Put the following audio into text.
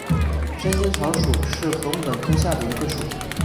山涧草属是禾本科下的一个属。